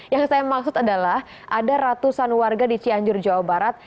yang saya maksud adalah ada ratusan warga di cianjur jawa barat